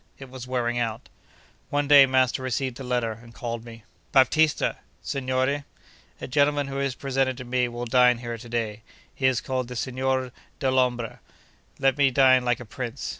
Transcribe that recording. It was wearing out. One day master received a letter, and called me. 'Baptista!' 'Signore!' 'A gentleman who is presented to me will dine here to day. He is called the Signor Dellombra. Let me dine like a prince.